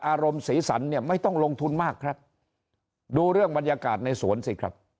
สีสันเนี่ยไม่ต้องลงทุนมากครับดูเรื่องบรรยากาศในสวนสิครับ